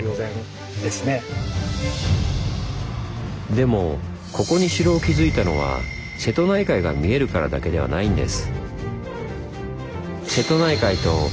でもここに城を築いたのは瀬戸内海が見えるからだけではないんです。